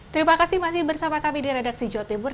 terima kasih masih bersama kami di redaksi jotibur